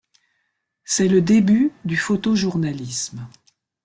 C'est le début du photojournalisme.